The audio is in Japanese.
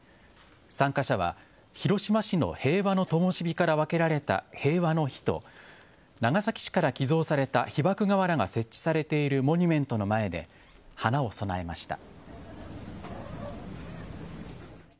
参加者は広島市の平和の灯から分けられた平和の灯と長崎市から寄贈された被ばく瓦が設置されているモニュメントの前で花を供えました。